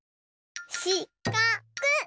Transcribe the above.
しかく。